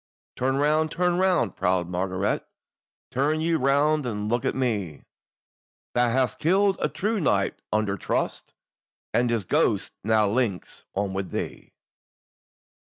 "Turn round, turn round, proud Margaret! Turn ye round, and look on me, Thou hast killed a true knight under trust, And his ghost now links on with thee."